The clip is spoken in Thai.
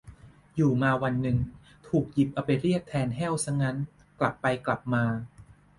อยู่มาวันนึง ถูกหยิบเอาไปเรียกแทน แห้ว ซะงั้น กลับไปกลับมา